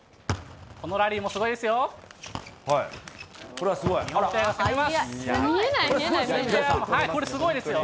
このラリーもすごいですよ。